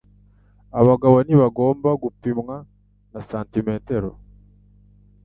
Abagabo ntibagomba gupimwa na santimetero